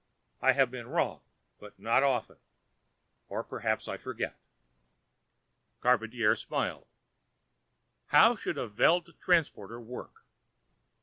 I have been wrong, but not often ... or perhaps I forget. Charpantier smiled. "How should a Veld transporter work?"